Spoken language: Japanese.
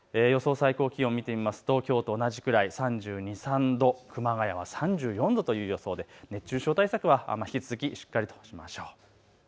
最高気温を見ていきますときょうと同じくらい、３２、３３度、熊谷は３４度という予想で熱中症対策は引き続きしっかりとしましょう。